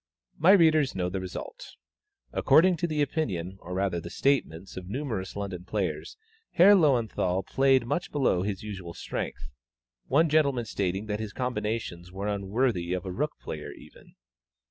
My readers know the result. According to the opinion, or rather the statements, of numerous London players, Herr Löwenthal played much below his usual strength one gentleman stating that his combinations were unworthy of a rook player even.